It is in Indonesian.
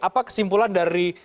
apa kesimpulan dari